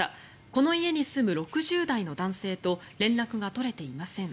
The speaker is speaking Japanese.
この家に住む６０代の男性と連絡が取れていません。